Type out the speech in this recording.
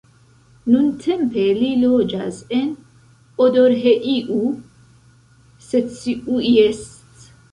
Nuntempe li loĝas en Odorheiu Secuiesc.